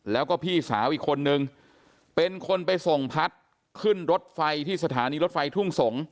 แล้วก็พี่สาวอีกคนนึงเป็นคนไปส่งพัดขึ้นรถไฟที่สถานีรถไฟทุ่งสงศ